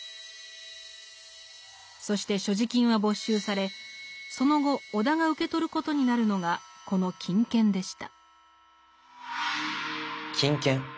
そして所持金は没収されその後尾田が受け取ることになるのがこの金券でした。